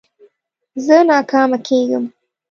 زه ناکامه کېږم.